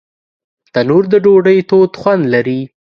تنور د ډوډۍ تود خوند لري